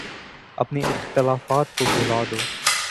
اپنے اختلافات کو بھلا دو۔